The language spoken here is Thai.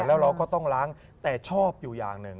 แล้วเราก็ต้องล้างแต่ชอบอยู่อย่างหนึ่ง